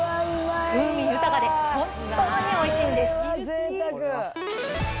風味豊かで本当においしいんです。